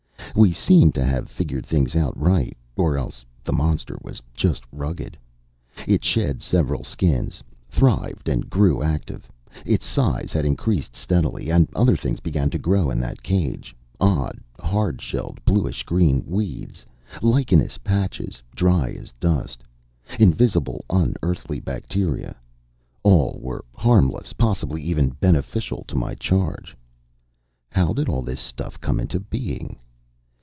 We seemed to have figured things out right or else the monster was just rugged. It shed several skins, thrived and grew active. Its size increased steadily. And other things began to grow in that cage. Odd, hard shelled, bluish green weeds; lichenous patches, dry as dust; invisible, un Earthly bacteria all were harmless, possibly even beneficial, to my charge. How did all this stuff come into being?